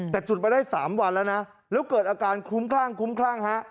แต่จุดมาได้๓วันแล้วนะแล้วเกิดอาการคลุ้มคลั่งคลุ้มคลั่งฮะ